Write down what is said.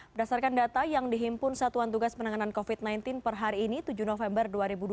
berdasarkan data yang dihimpun satuan tugas penanganan covid sembilan belas per hari ini tujuh november dua ribu dua puluh